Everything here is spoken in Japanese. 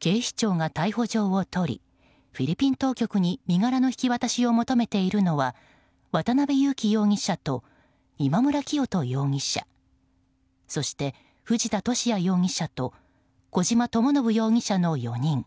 警視庁が逮捕状を取りフィリピン当局に身柄の引き渡しを求めているのは渡辺優樹容疑者と今村磨人容疑者そして藤田聖也容疑者と小島智信容疑者の４人。